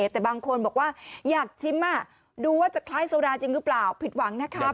แต่บางคนบอกว่าอยากชิมดูว่าจะคล้ายโซราจริงหรือเปล่าผิดหวังนะครับ